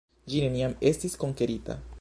Ĝi neniam estis konkerita.